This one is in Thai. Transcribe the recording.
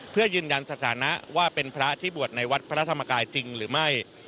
เพื่อยืนยันสถานะว่าเป็นพระที่บวชในวัดพระธรรมกายจริงหรือไม่